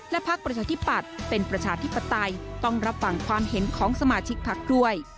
พักประชาธิปัตย์เป็นประชาธิปไตยต้องรับฟังความเห็นของสมาชิกพักด้วย